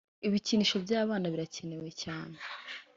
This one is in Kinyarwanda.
Ibikinisho by’abana birakenewe cyane